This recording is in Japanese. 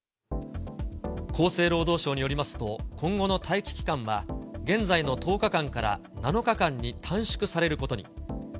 厚生労働省によりますと、今後の待機期間は、現在の１０日間から７日間に短縮されることに。